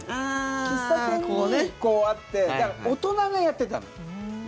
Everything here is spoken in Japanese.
喫茶店にあってだから、大人がやってたの。